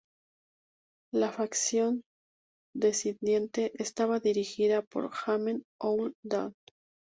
La facción disidente estaba dirigida por Ahmed Ould Daddah.